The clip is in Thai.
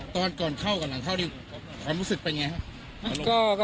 ตอนก่อนเข้ากับหลังเข้านี่ความรู้สึกเป็นไงครับ